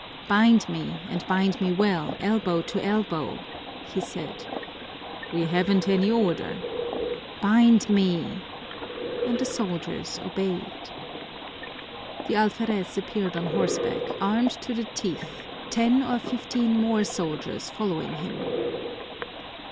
"Bind me, and bind me well, elbow to elbow," he said. "We haven't any order." "Bind me!" And the soldiers obeyed. The alferez appeared on horseback, armed to the teeth, ten or fifteen more soldiers following him.